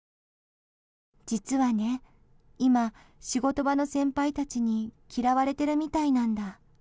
実はね、今仕事場の先輩たちに嫌われているみたいなんだ。